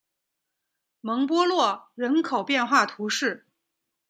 蒙博洛人口变化图示